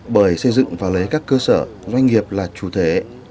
bởi xây dựng và lấy các cơ sở doanh nghiệp là chủ thể